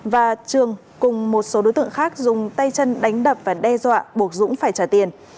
và trường cùng một số đối tượng khác dùng tay chân đánh đập và đe dọa buộc dũng phải trả tiền